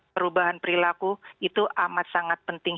perubahan perilaku itu amat sangat penting